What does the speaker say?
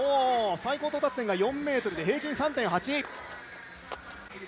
最高到達点が４ｍで平均３．８。